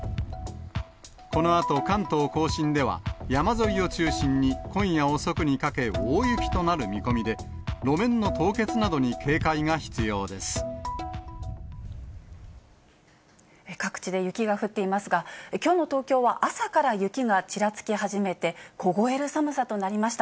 このあと関東甲信では、山沿いを中心に今夜遅くにかけ、大雪となる見込みで、各地で雪が降っていますが、きょうの東京は朝から雪がちらつき始めて、凍える寒さとなりました。